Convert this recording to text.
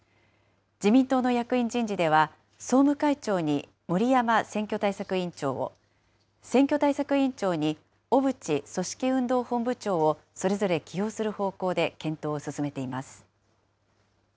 自民党の役員人事では、総務会長に森山選挙対策委員長を、選挙対策委員長に小渕組織運動本部長をそれぞれ起用する方向で検討を進めています。